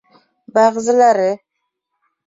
Бәғзеләре: